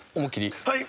はい。